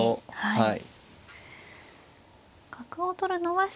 はい。